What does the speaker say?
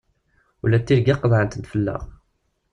Ula d tirga qeḍεen-tent fell-aɣ!